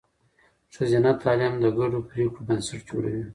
ښځینه تعلیم د ګډو پرېکړو بنسټ جوړوي.